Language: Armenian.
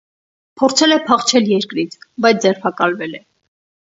Փորձել է փախչել երկրից, բայց ձերբակալվել է։